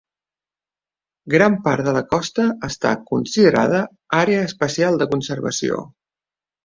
Gran part de la costa està considerada Àrea Especial de Conservació.